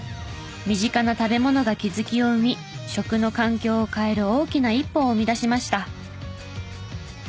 身近な食べ物が気づきを生み食の環境を変える大きな一歩を生み出しました。